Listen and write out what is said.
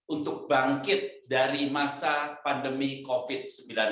untuk bangkit dari masa pandemi covid sembilan belas